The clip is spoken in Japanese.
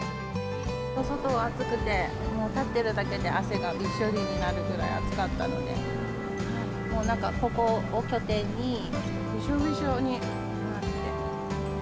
外は暑くて、もう立ってるだけで汗がびっしょりになるぐらい暑かったので、もうなんか、ここを拠点に、びしょびしょになって。